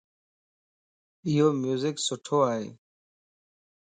ايو ميوزڪ سٺو ائي